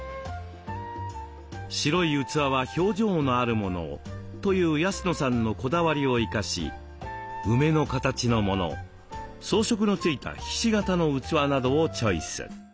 「白い器は表情のあるものを」という安野さんのこだわりを生かし梅の形のもの装飾のついたひし形の器などをチョイス。